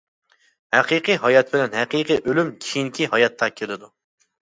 ھەقىقىي ھايات بىلەن ھەقىقىي ئۆلۈم كېيىنكى ھاياتتا كېلىدۇ.